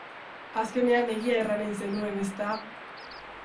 Azkenean egia erranen zenuen, ezta?